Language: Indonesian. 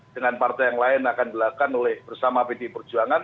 dengan partai yang lain akan dilakukan bersama pdi perjuangan